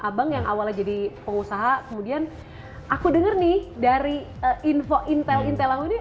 abang yang awalnya jadi pengusaha kemudian aku denger nih dari info intel intel aku ini